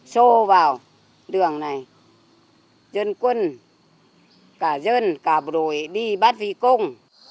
xô vào đường này dân quân cả dân cả bộ đội đi bắt phi công